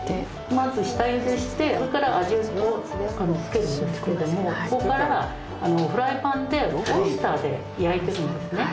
まず下ゆでしてそれから味をつけるんですけどもそこからフライパンでオイスターで焼いてるんですね。